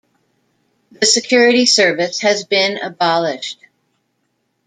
The security service has been abolished.